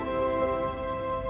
ibu peri berdiri di depan mereka